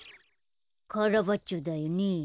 カラバッチョだよね。